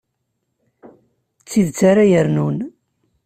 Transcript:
D tidet ara yernun.